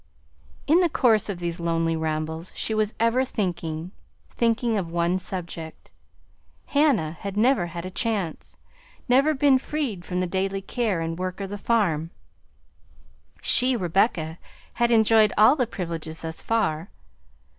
In the course of these lonely rambles she was ever thinking, thinking, of one subject. Hannah had never had a chance; never been freed from the daily care and work of the farm. She, Rebecca, had enjoyed all the privileges thus far.